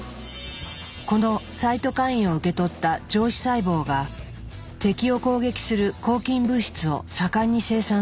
このサイトカインを受け取った上皮細胞が敵を攻撃する抗菌物質を盛んに生産するのだ。